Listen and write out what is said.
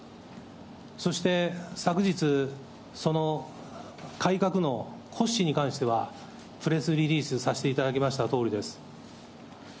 そして昨日、その改革の骨子に関しては、プレスリリースさせていただいたとおりであります。